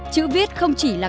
chữ viết không chỉ là